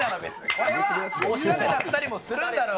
それはおしゃれだったりもするだろう。